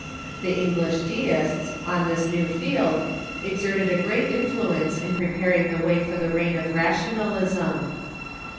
The English De ists, on this new field, exerted a great influence in preparing the way for the reign of Rationalism.